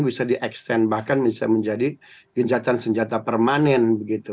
bisa di extend bahkan bisa menjadi gencatan senjata permanen